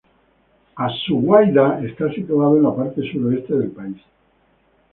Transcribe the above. As-Suwayda está situado en la parte suroeste del país.